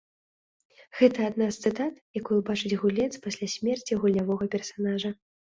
Гэта адна з цытат, якую бачыць гулец пасля смерці гульнявога персанажа.